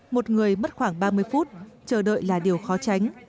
một người mất khoảng ba mươi phút chờ đợi là điều khó tránh